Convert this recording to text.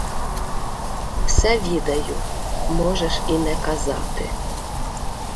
— Все відаю, можеш і не казати.